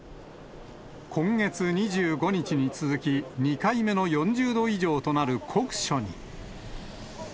今月２５日に続き、２回目の４０度以上となる酷暑に。